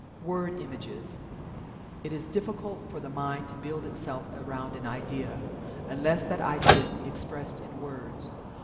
WORD IMAGES. It is difficult for the mind to build itself around an idea, unless that idea be expressed in words.